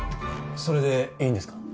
それでいいんですか？